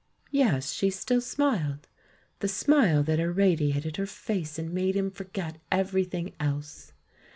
Yes, she still smiled — the smile that irradiated her face and made him forget everything else!